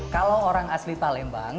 kalau orang asli palembang